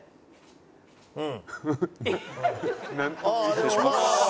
失礼します。